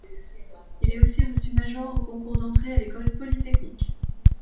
Il est aussi reçu major au concours d’entrée à l'École polytechnique.